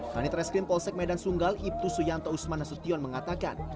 panit reskrim polsek medan sunggal ibtu suyanto usman nasution mengatakan